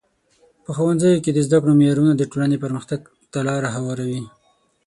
په ښوونځیو کې د زده کړو معیارونه د ټولنې پرمختګ ته لار هواروي.